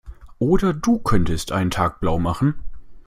Oder du könntest einen Tag blaumachen.